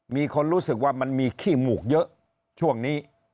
มีคนรู้สึกว่ามันมีขี้หมูกเยอะช่วงนี้